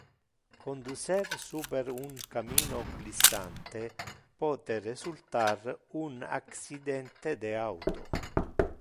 Conducer super un cammino glissante pote resultar in un accidente de auto.